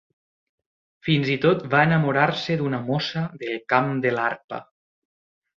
Fins i tot va enamorar-se d'una mossa del camp de l'Arpa.